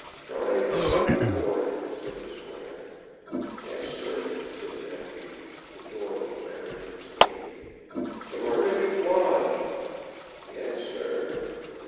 "Drive to Buntingford," said the squire. "Yes, sir," said Matthew, the door of the carriage in his hand. "To Marmaduke Lodge." "Yes, sir."